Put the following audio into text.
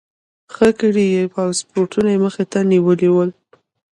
ښه ګړی یې پاسپورټونه مخې ته نیولي ول.